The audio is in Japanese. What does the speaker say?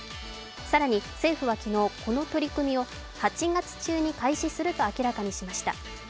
更に政府は昨日、この取り組みを８月中に開始すると明らかにしました。